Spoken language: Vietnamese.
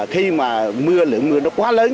khi mà mưa lượng mưa nó quá lớn